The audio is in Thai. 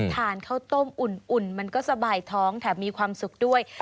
ทานข้าวต้มอุ่นมันก็สบายท้องแถมมีความสุขด้วย